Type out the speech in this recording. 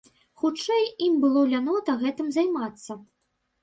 Хутчэй, ім было лянота гэтым займацца.